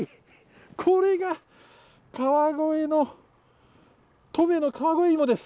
これが川越の富の川越いもです。